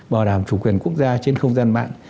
bảo đảm chủ quyền quốc gia trên không gian mạng